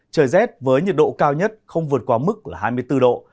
trời rét với nhiệt độ cao nhất không vượt qua mức là hai mươi bốn độ